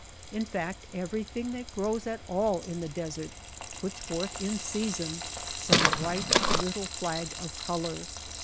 In fact everything that grows at all in the desert puts forth in sea son some bright little flag of color.